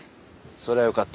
それはよかった。